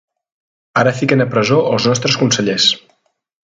Ara fiquen a presó els nostres consellers.